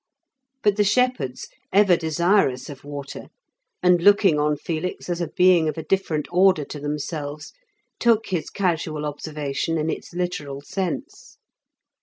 But the shepherds, ever desirous of water, and looking on Felix as a being of a different order to themselves, took his casual observation in its literal sense.